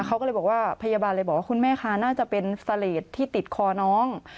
เขาก็เลยบอกว่าพยาบาลเลยบอกว่าคุณแม่คะน่าจะเป็นเสลดที่ติดคอน้อง